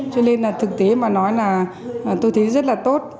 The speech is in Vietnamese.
cho nên là thực tế mà nói là tôi thấy rất là tốt